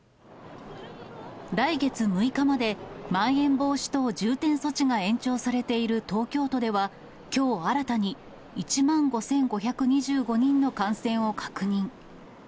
来月６日まで、まん延防止等重点措置が延長されている東京都では、きょう新たに１万５５２５人の感染を確認。